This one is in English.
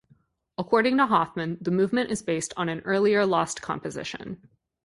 According to Hofmann, the movement is based on an earlier lost composition.